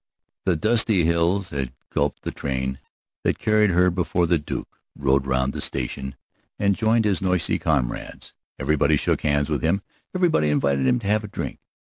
The dusty hills had gulped the train that carried her before the Duke rode round the station and joined his noisy comrades. Everybody shook hands with him, everybody invited him to have a drink.